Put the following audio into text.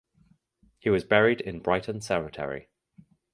He was buried in Brighton cemetery.